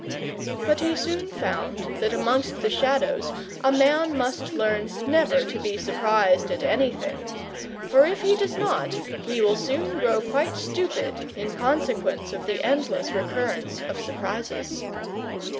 But he soon found that amongst the Shgadows a man must learn never to be surprised at anything; for if he does not, he will soon grow quite stupid, in consequence of the endless recurrence of surprises.